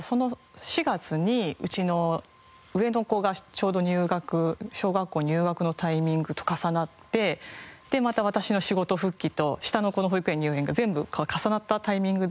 ４月にうちの上の子がちょうど入学小学校入学のタイミングと重なってでまた私の仕事復帰と下の子の保育園入園が全部重なったタイミングで。